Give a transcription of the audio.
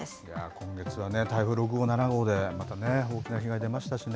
今月は台風６号、７号で、またね、大きな被害出ましたしね。